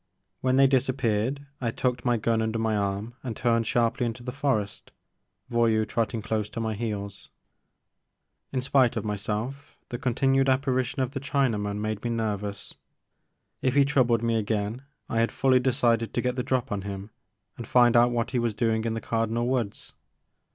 When they disap peared I tucked my gun under my arm and turned sharply into the forest, Voyou trotting close to my heels. In spite of myself the continued apparition of the Chinaman made me nervous. If he troubled me again I had fully decided to get the drop on him and find out what he was doing in the Cardinal Woods.